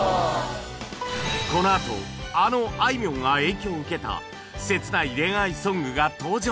このあとあのあいみょんが影響を受けた切ない恋愛ソングが登場